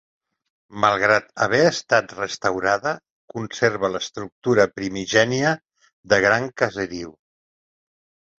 Malgrat haver estat restaurada conserva l'estructura primigènia de gran caseriu.